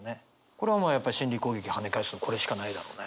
これはやっぱ心理攻撃はね返すのこれしかないだろうね。